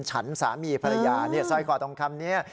ฉันสามีภรรยาสร้อยคอทองคำนี้